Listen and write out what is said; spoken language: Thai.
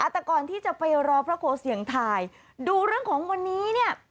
แต่ก่อนที่จะไปรอพระโกเสี่ยงทายดูเรื่องของวันนี้เนี่ย